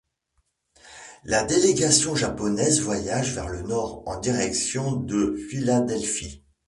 La délégation japonaise voyage vers le nord en direction de Philadelphie.